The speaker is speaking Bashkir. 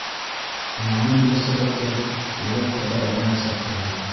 Яңы мөнсәбәттәр уйлап таба алмаясаҡһығыҙ.